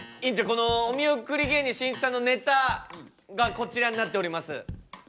このお見送り芸人しんいちさんのネタがこちらになっております。